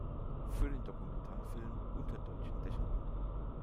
Für den Dokumentarfilm "Unter deutschen Dächern.